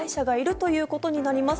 ということになります